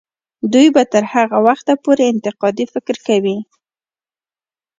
دوی به تر هغه وخته پورې انتقادي فکر کوي.